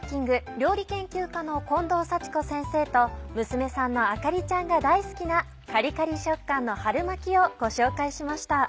料理研究家の近藤幸子先生と娘さんのあかりちゃんが大好きなカリカリ食感の春巻きをご紹介しました。